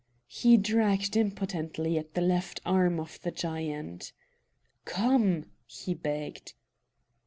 He dragged impotently at the left arm of the giant. "Come!" he begged.